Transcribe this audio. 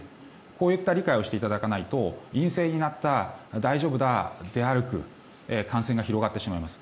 こういった理解をしていただかないと陰性になった、大丈夫だ出歩く感染が広がってしまいます。